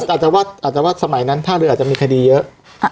อาจจะว่าสมัยนั้นท่าเรืออาจจะมีคดีเยอะ